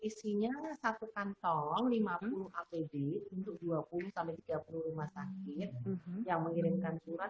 isinya satu kantong lima puluh apd untuk dua puluh tiga puluh rumah sakit yang mengirimkan surat